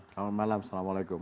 selamat malam assalamualaikum